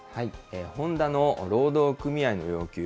ホンダの労働組合の要求。